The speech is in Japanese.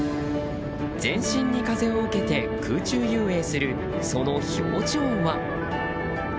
全身に風を受けて空中遊泳するその表情は。